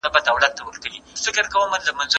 په سوسیالیزم کي ازادي نسته.